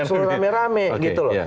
langsung rame rame gitu loh